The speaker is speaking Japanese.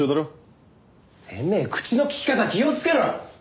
てめえ口の利き方気をつけろ！